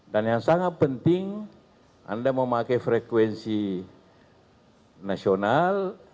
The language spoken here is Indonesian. dan yang sangat penting anda memakai frekuensi nasional